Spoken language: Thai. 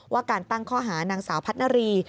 ว่าการตั้งข้อหานางสาวพัฒนารี